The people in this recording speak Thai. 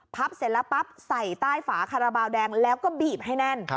เสร็จแล้วปั๊บใส่ใต้ฝาคาราบาลแดงแล้วก็บีบให้แน่น